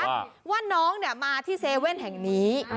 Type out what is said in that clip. ว่าน้องเนี่ยมาที่เซเว่นแห่งนี้